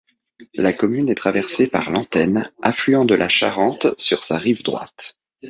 La commune est traversée par l'Antenne, affluent de la Charente sur sa rive droite.